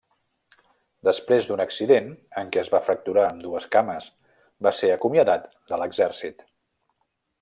Després d'un accident, en què es va fracturar ambdues cames va ser acomiadat de l'exèrcit.